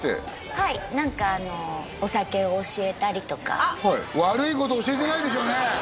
はい何かお酒を教えたりとか悪いこと教えてないでしょうね？